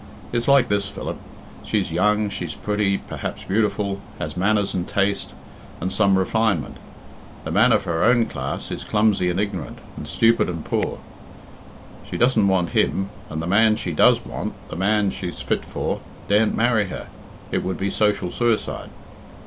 It's like this, Philip. She's young, she's pretty, perhaps beautiful, has manners and taste, and some refinement. The man of her own class is clumsy and ignorant, and stupid and poor. She doesn't want him, and the man she does want the man she's fit for daren't marry her; it would be social suicide."